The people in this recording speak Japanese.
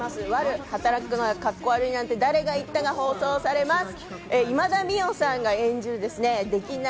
『悪女働くのがカッコ悪いなんて誰が言った？』が放送されます。